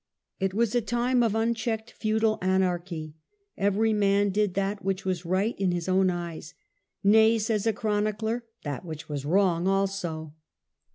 It was a time of unchecked feudal anarchy : every man did that which was right in his own eyes — "nay", says a chronicler, "that which was wrong also".